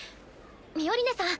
ミオリネさん。